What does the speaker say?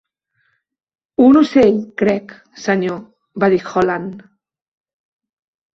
"Un ocell, crec, senyor", va dir Holland.